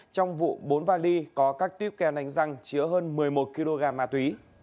trong vụ bốn vali có các tiếp kè nánh răng chứa hơn một mươi một kg ma túy